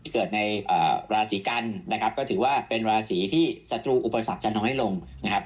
เกิดในราศีกันนะครับก็ถือว่าเป็นราศีที่ศัตรูอุปสรรคจะน้อยลงนะครับ